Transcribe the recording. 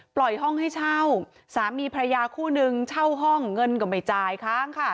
ปล่อยห้องให้เช่าสามีพระยาคู่นึงเช่าห้องเงินก็ไม่จ่ายค้างค่ะ